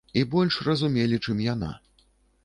І больш разумелі, у чым яна.